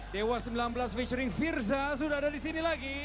dewa sembilan belas featuring firza sudah ada di sini lagi